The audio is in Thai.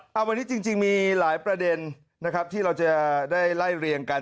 เอาวันนี้จริงมีหลายประเด็นนะครับที่เราจะได้ไล่เรียงกัน